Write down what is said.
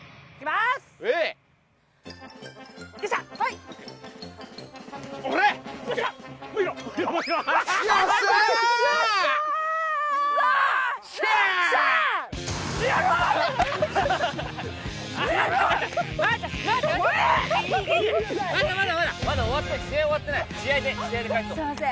すいません。